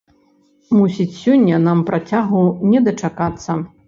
Мусіць, сёння нам працягу не дачакацца.